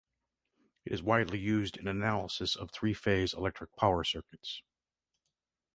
It is widely used in analysis of three-phase electric power circuits.